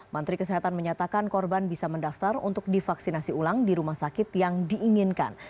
menteri kesehatan menyatakan korban bisa mendaftar untuk divaksinasi ulang di rumah sakit yang diinginkan